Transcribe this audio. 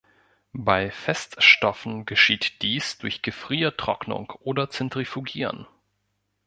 Bei Feststoffen geschieht dies durch Gefriertrocknung oder Zentrifugieren.